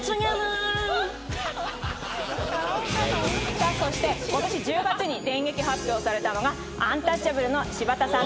さあそしてことし１０月に電撃発表されたのがアンタッチャブルの柴田さん